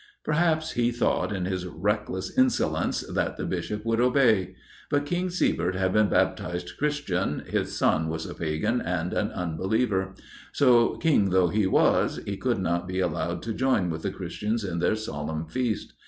Perhaps he thought in his reckless insolence that the Bishop would obey. But King Siebert had been a baptized Christian, his son was a pagan and an unbeliever; so, King though he was, he could not be allowed to join with the Christians in their solemn Feast.